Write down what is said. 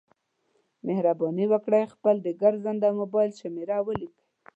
مهرباني وکړئ خپل د ګرځنده مبایل شمېره ولیکئ